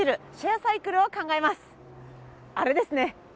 あれですね。